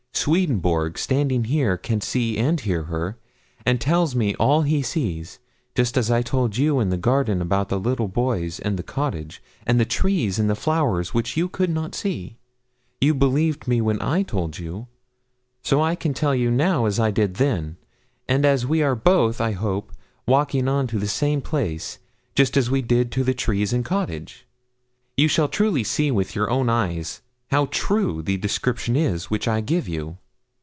Swedenborg, standing here, can see and hear her, and tells me all he sees, just as I told you in the garden about the little boys and the cottage, and the trees and flowers which you could not see, but you believed in when I told you. So I can tell you now as I did then; and as we are both, I hope, walking on to the same place just as we did to the trees and cottage. You will surely see with your own eyes how true the description is which I give you.'